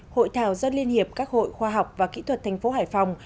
hội thảo do liên hiệp các hội khoa học và kỹ thuật thành phố hải phòng